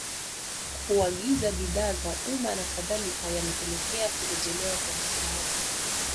Kuagiza bidhaa za umma na kadhalika yamepelekea kurejelewa kwa misaada